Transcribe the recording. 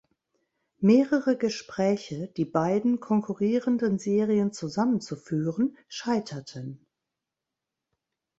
Mehrere Gespräche, die beiden konkurrierenden Serien zusammenzuführen, scheiterten.